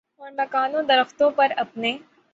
اور مکانوں درختوں پر اپنے